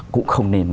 cũng không nên